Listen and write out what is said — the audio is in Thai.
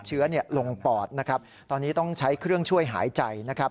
เชื้อลงปอดนะครับตอนนี้ต้องใช้เครื่องช่วยหายใจนะครับ